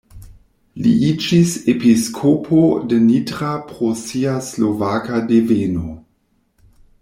Li iĝis episkopo de Nitra pro sia slovaka deveno.